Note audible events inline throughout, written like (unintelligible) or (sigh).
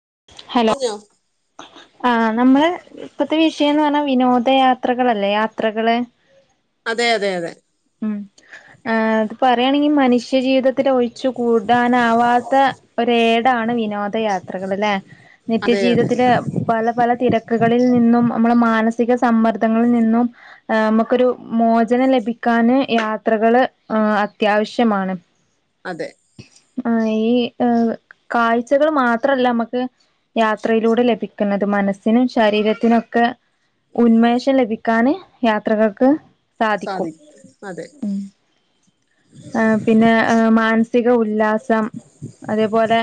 (unintelligible) ആ നമ്മള്. ഇപ്പത്തെ വിഷയന്ന് പർഞ്ഞാ വിനോദയാത്രകളല്ലേ യാത്രകള്. അതെ അതെ അതെ. ഉം. ആ അത് പറയാണെങ്കി മനുഷ്യജീവിത ത്തി ഒഴിച്ചു കൂടാനാവാത്ത ഒരേടാണ് വിനോദയാത്രകളില്ലെ. അതെ അതെ നിത്യജീവിതത്തി പല പല തിരക്കുകളിൽ നിന്നും നമ്മടെ മാനസിക സമ്മർദ്ദങ്ങളിൽ നിന്നും നമുക്കൊരു മോചനം ലഭിക്കാന് യാത്രകള് അത്യാവശ്യമാണ്. അതെ ആ ഈ ഏ കാഴ്ചകൾ മാത്രല്ല മ്മക്ക് യാത്രയിലൂടെ ലഭിക്ക്ന്നത്. മനസ്സിനും ശരീരത്തിനും ഒക്കെ ഉന്മേഷം ലഭിക്കാന് യാത്രകൾക്ക് സാധിക്കും. ഉം ആ പിന്നെ മാ സിക ഉല്ലാസം അതേപോലെ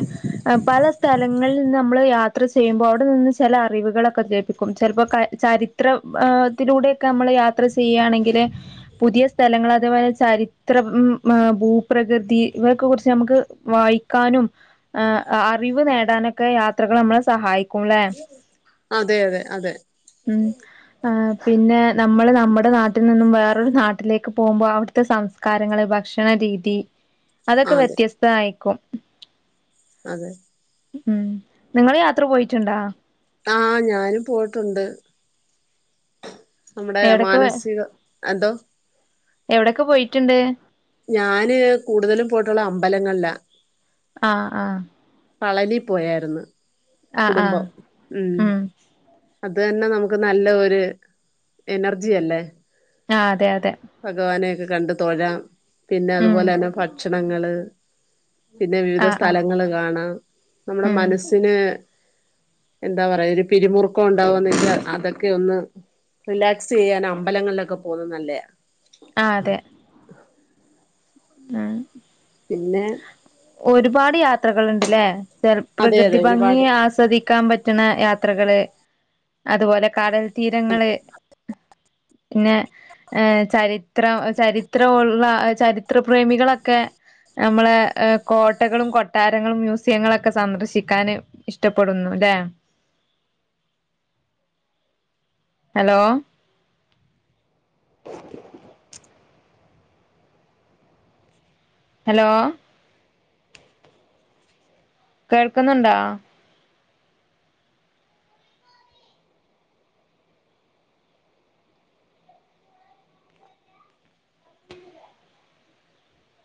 പല സ്ഥലങ്ങൾല് നിന്ന് നമ്മള് യാ യാത്ര ചെയ്യുമ്പോൾ അവിടെ നിന്ന് ചില അറിവുകളൊക്ക ലഭിക്കും ചിലപ്പോ ചരിത്രത്തിലൂടൊക്കെ നമ്മൾ യാത്ര ചെയ്യുകയാണെങ്കിൽ, പുതിയ സ്ഥലങ്ങൾ അതേപോലെ ചരിത്രം, ഭൂപ്രകൃതി ഇവരെക്കെ കുറിച്ച് നമുക്ക് വായിക്കാനും അറിവ് നേടാനൊക്കെ യാത്രകള് നമ്മളെ സഹായി ക്കൂല്ലേ അതെ അതെ അതെ ആഹ് പിന്നെ നമ്മള് നമ്മുടെ നാട്ടിൽ നിന്നും വേറൊരു നാട്ടിലേക്ക് പോകുമ്പോൾ അവിടുത്തെ സംസ്കാരങ്ങള് ഭക്ഷണരീതി. അതൊക്കെ അതെ വ്യത്യസ്ത ആയിക്കും അതെ ഉം നിങ്ങള് യാത്ര പോയിട്ടിണ്ടാ ആഹ് ഞാനും പോയിട്ടുണ്ട് നമ്മുടെ എവിടൊക്കെ മാനസിക എന്തോ എവിടെക്കെ പോയിട്ടിണ്ട് ഞാന് കൂടുതലും പോയിട്ടുള്ള അമ്പലങ്ങളിലാ ആഹ് ആഹ് പളനി പോയാരുന്നു ആഹ് ആഹ് ഉം അത് തന്നെ നമുക്ക് നല്ല ഒരു എനർജി അല്ലേ ആഹ് അതെ അ ഭഗവാനെയെക്കെ കണ്ട് തൊഴാം പിന്നെ ഉം അത്പോലെന്നെ ഭക് ക്ഷണങ്ങള് പിന്നെ വിവിധ ആഹ് ആഹ് സ്ഥലങ്ങള് കാണാം നമ്മ്ടെ ഉം മനസ്സിന് എന്താ പറയാ ഒരു പിരിമുറുക്കം ഉണ്ടാവുന്നീല് അതൊക്കെ ഒന്ന് റിലാക്സ് ചെയ്യാൻ അമ്പലങ്ങളിലൊക്കെ പോകുന്നെ നല്ലെയാ ആഹ് അതെ ഉം പിന്നെ ഒരുപാട് യാത്രകൾ ഉണ്ട്ല്ലേ (unintelligible) അതെ പ്രകൃതി അതെ ഭംഗി ഒരുപാട് ആസ്വദിക്കാൻ പറ്റ റ്റ്ണ യാത്രകള് അതുപോലെ കടൽ തീരങ്ങള് പിന്നെ ഏ ചരിത്രം ചരിത്രവുള്ള ചരി ത്രപ്രേമികളൊക്കെ നമ്മളെ ഏ കോട്ടകളും കൊട്ടാരങ്ങളും മ്യൂസിയങ്ങളൊക്കെ സന്ദർശിക്കാൻ ഇഷ്ട്ടപ്പെടുന്നു ലേ ഹലോ (inaudible) ഹലോ കേൾക്കുന്നുണ്ടാ